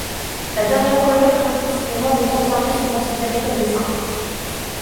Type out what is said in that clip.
La dernière colonne indique si les membres concernés sont considérés comme des saints.